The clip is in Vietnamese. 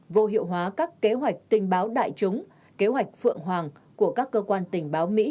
vô hiệu hóa các kế hoạch tình báo đại chúng kế hoạch phượng hoàng của các cơ quan tình báo mỹ